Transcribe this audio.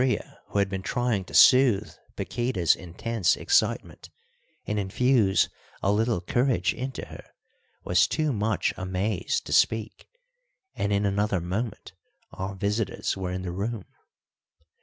Demetria, who had been trying to soothe Paquíta's intense excitement and infuse a little courage into her, was too much amazed to speak; and in another moment our visitors were in the room.